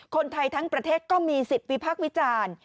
คนไทยทั้งประเทศก็มีสิทธิ์วิพักษ์วิจารณ์